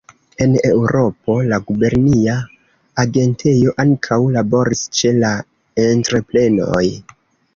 En Eŭropo, la gubernia agentejo ankaŭ laboris ĉe la entreprenoj.